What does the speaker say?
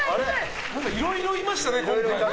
何かいろいろいましたね、今回。